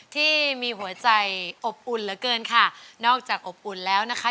ที่มีหัวใจอบอุ่นเหลือเกินค่ะนอกจากอบอุ่นแล้วนะคะ